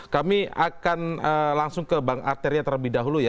kami akan langsung ke bang arteria terlebih dahulu ya